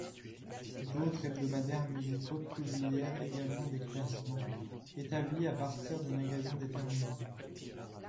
D'autres hebdomadaires musicaux publièrent également des classements, établis à partir de magasins déterminés.